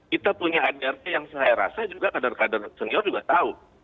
kita punya adart yang saya rasa juga kader kader senior juga tahu